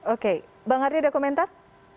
oke bang arya ada komentar